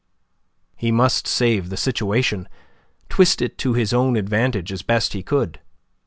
He must save the situation; twist it to his own advantage as best he could.